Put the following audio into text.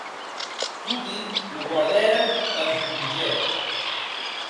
Toti lo guardèren damb curiosèr.